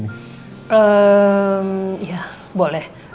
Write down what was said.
ehm ya boleh